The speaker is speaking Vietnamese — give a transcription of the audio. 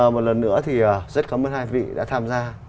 một lần nữa thì rất cảm ơn hai vị đã tham gia